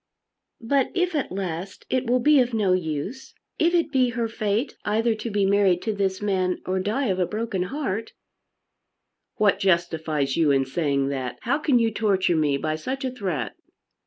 "But if at last it will be of no use, if it be her fate either to be married to this man or die of a broken heart " "What justifies you in saying that? How can you torture me by such a threat?"